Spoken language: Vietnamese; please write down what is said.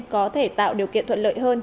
có thể tạo điều kiện thuận lợi hơn